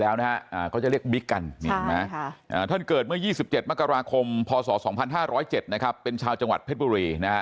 เขาจะเรียกวิกกันท่านเกิดเมื่อ๒๗มกราคมพศ๒๕๐๗เป็นชาวจังหวัดเพศบุรี